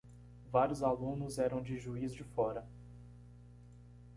Vários alunos eram de Juíz de Fora.